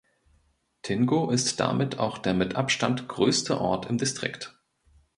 Tingo ist damit auch der mit Abstand größte Ort im Distrikt.